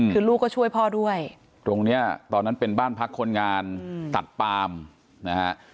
คือลูกก็ช่วยพ่อด้วยตรงเนี้ยตอนนั้นเป็นบ้านพักคนงานตัดปามนะฮะ